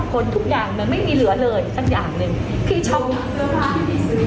คนทุกอย่างมันไม่มีเหลือเลยสักอย่างหนึ่งพี่ชอบเสื้อผ้า